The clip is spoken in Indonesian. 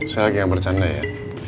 saya lagi yang bercanda ya